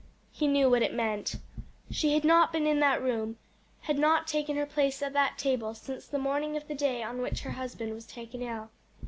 He knew what it meant. She had not been in that room, had not taken her place at that table, since the morning of the day on which her husband was taken ill.